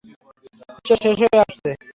বিশ্ব শেষ হয়ে আসছে।